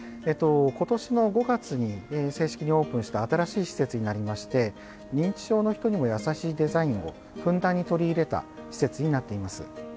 今年の５月に正式にオープンした新しい施設になりまして認知症の人にも優しいデザインをふんだんに取り入れた施設になっています。